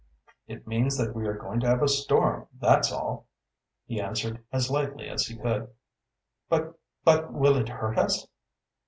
"It means that we are going to have a storm, that's all," he answered as lightly as he could. "But but will it hurt us?"